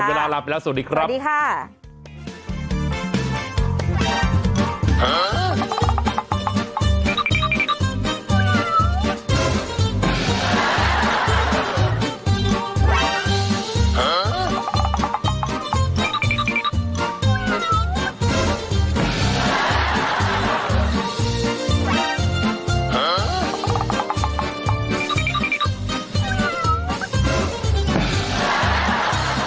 ใช่ค่ะสวัสดีครับสวัสดีค่ะหมดเวลาลาไปแล้ว